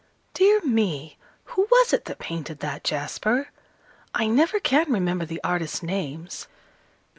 "Dear me, who was it that painted that, Jasper? I never can remember the artists' names."